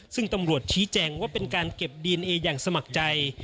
ซึ่งตำรวจชี้แจงว่าเป็นการเก็บดีเอนเออย่างสมัครใจ